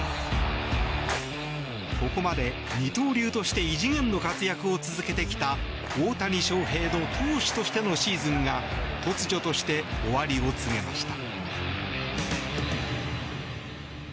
ここまで二刀流として異次元の活躍を続けてきた大谷翔平の投手としてのシーズンが突如として終わりを告げました。